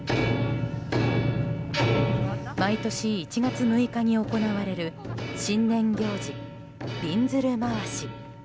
毎年１月６日に行われる新年行事、びんずる廻し。